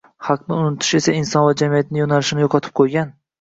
haqlarni unutish esa inson va jamiyatni yo‘nalishini yo‘qotib qo‘ygan